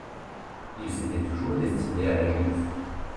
Il s’était toujours destiné à l’église.